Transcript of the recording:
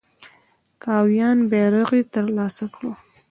کاویان بیرغ یې تر لاسه کړ.